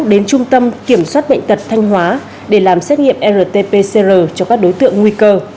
đến trung tâm kiểm soát bệnh tật thanh hóa để làm xét nghiệm rt pcr cho các đối tượng nguy cơ